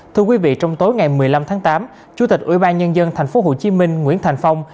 thưa quý vị trong tối ngày một mươi năm tháng tám chủ tịch ủy ban nhân dân tp hcm nguyễn thành phong